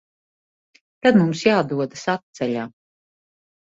Tad mums jādodas atceļā.